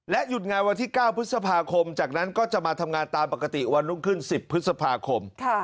หยุดงานวันที่๙พฤษภาคมจากนั้นก็จะมาทำงานตามปกติวันรุ่งขึ้น๑๐พฤษภาคม